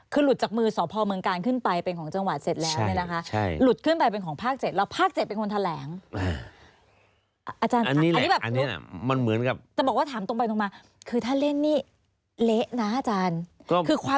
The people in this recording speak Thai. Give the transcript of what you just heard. คือหลุดจากมือสอพเมืองการขึ้นไปเป็นของจังหวัดเสร็จแล้วนี่นะคะ